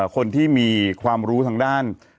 คนที่มีความรู้ทางด้าน